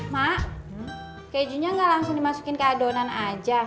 mak kejunya gak langsung dimasukin ke adonan aja